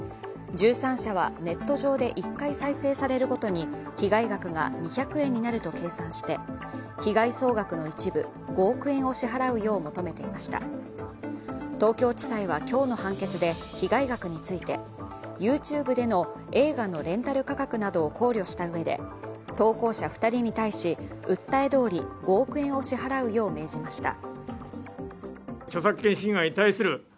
１３社はネット上で１回再生されるごとに被害額が２００円になると計算して、被害総額の一部、５億円を支払うよう求めていました東京地裁は今日の判決で被害額についてＹｏｕＴｕｂｅでの映画のレンタル価格などを考慮したうえで投稿者２人に対し、訴えどおり５億円を支払うよう命じました。